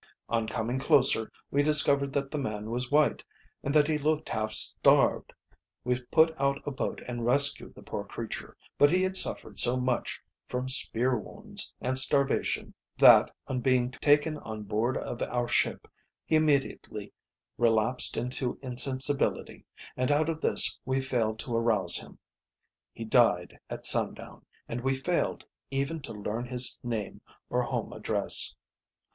"On coming closer, we discovered that the man was white and that he looked half starved. We put out a boat and rescued the poor creature but he had suffered so much from spear wounds and starvation that, on being taken on board of our ship, he immediately relapsed into insensibility, and out of this we failed to arouse him. He died at sundown, and we failed, even to learn him name or home address.